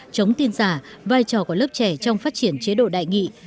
chống tin giả vai trò của lớp trẻ trong phát triển chế độ đại nghị